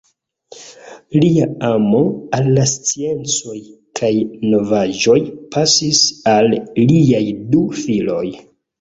Lia amo al la sciencoj kaj novaĵoj pasis al liaj du filoj.